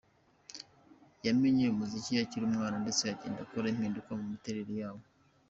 Yamenye umuziki akiri umwana ndetse agenda akora impinduka mu miterere yawo.